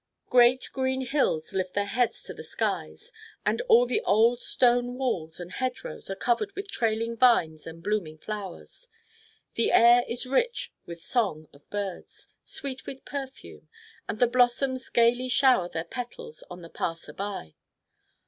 Great, green hills lift their heads to the skies, and all the old stone walls and hedgerows are covered with trailing vines and blooming flowers. The air is rich with song of birds, sweet with perfume, and the blossoms gaily shower their petals on the passer by.